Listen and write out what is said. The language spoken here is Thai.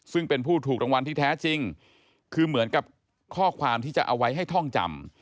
ซึ่งเป็นผู้ถูกรางวัลที่แท้จริงคือเหมือนกับข้อความที่จะเอาไว้ให้ท่องจำ